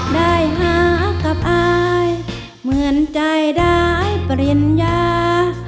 ได้หากับอายเหมือนใจได้ปริญญา